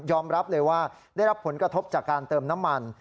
รับเลยว่าได้รับผลกระทบจากการเติมน้ำมัน